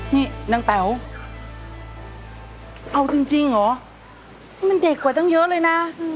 นี่นางแป๋วเอาจริงเหรอมันเด็กกว่าตั้งเยอะเลยนะ